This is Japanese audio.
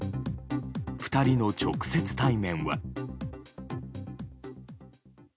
２人の直接対面は。